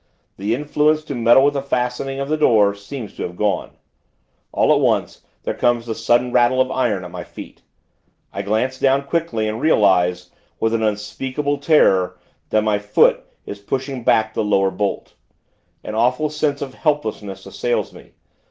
The influence to meddle with the fastenings of the door, seems to have gone. All at once, there comes the sudden rattle of iron, at my feet. I glance down, quickly, and realize, with an unspeakable terror, that my foot is pushing back the lower bolt. An awful sense of helplessness assails me....